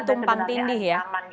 tempan tindih ya